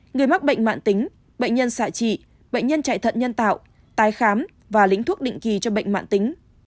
người mắc bệnh mạng tính bệnh nhân xạ trị bệnh nhân chạy thận nhân tạo tái khám và lĩnh thuốc định kỳ cho bệnh mạng tính